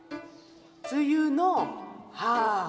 梅雨の「はあ」。